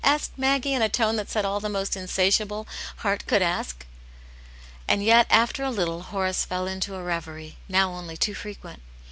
asked Maggie, in a tone that said all the mo3t insatiable heart could ask. And yet, after a little, Horace fell into a reverie, now only too frequent.